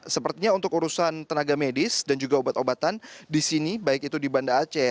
sepertinya untuk urusan tenaga medis dan juga obat obatan di sini baik itu di banda aceh